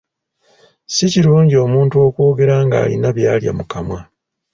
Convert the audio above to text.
Si kirungi omuntu okwogera nga alina byalya mu kamwa.